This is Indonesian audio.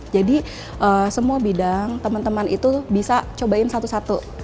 jadi semua bidang teman teman itu bisa cobain satu satu